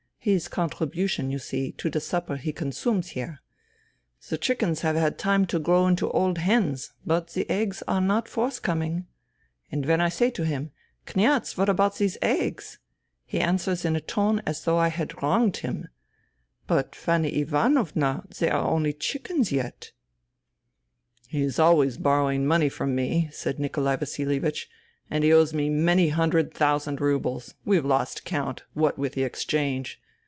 His contribution, you see, to the supper he consumes here ! The chickens have had time to grow into old hens — but the eggs are not forthcoming. And when I say to him, ' Kniaz, what about these eggs ?' he answers in a tone as though I had wronged him, ' But, Fanny Ivanovna, they are only chickens yet.' " INTERVENING IN SIBERIA 219 " He is always borrowing money from me," said Nikolai Vasilievich, " and he owes me many hundred thousand roubles — ^we have lost count, what with the exchange